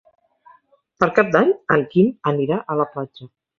Per Cap d'Any en Quim anirà a la platja.